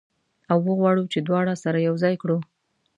او وغواړو چې دواړه سره یو ځای کړو.